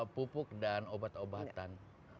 pupuk dan obat obatan